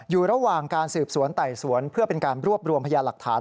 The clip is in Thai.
อยู่ระหว่างการสืบสวนไต่สวนเพื่อเป็นการรวบรวมพยาหลักฐาน